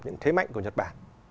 những thế mạnh của nhật bản